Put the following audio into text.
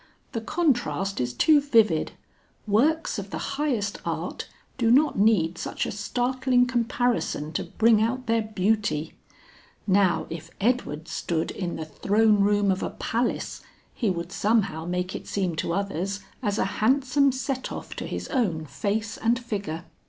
The contrast is too vivid; works of the highest art do not need such a startling comparison to bring out their beauty. Now if Edward stood in the throne room of a palace, he would somehow make it seem to others as a handsome set off to his own face and figure."